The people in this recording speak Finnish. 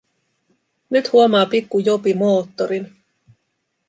Nyt huomaa pikku Jopi moottorin.